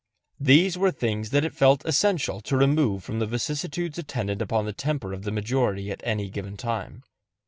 These were things that it was felt essential to remove from the vicissitudes attendant upon the temper of the majority at given time.